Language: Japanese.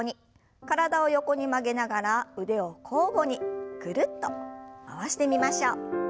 体を横に曲げながら腕を交互にぐるっと回してみましょう。